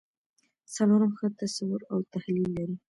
څلورم ښه تصور او تحلیل لري.